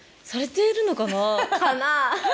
されているのかな？かな？